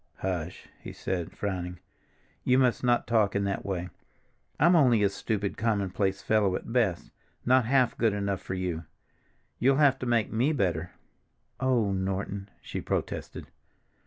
"Hush," he said, frowning. "You must not talk in that way. I'm only a stupid, commonplace fellow at best, not half good enough for you. You'll have to make me better." "Oh, Norton!" she protested.